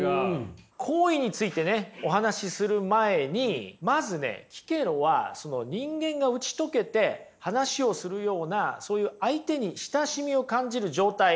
好意についてねお話しする前にまずねキケロはその人間が打ち解けて話をするようなそういう相手に親しみを感じる状態